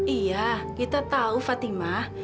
iya kita tahu fatimah